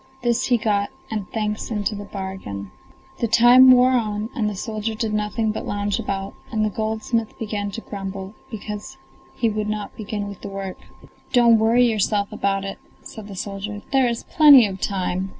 This he got, and thanks into the bargain. The time wore on, and the soldier did nothing but lounge about, and the goldsmith began to grumble, because he would not begin with the work. "Don't worry yourself about it," said the soldier, "there is plenty of time!